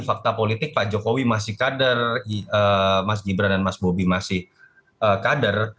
fakta politik pak jokowi masih kader mas gibran dan mas bobi masih kader